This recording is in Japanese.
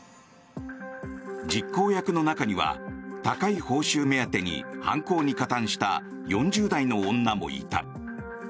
実行役の中には高い報酬目当てに犯行に加担した４０代の女もいた。